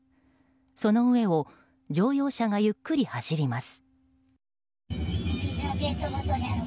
その上を乗用車がゆっくり走ります。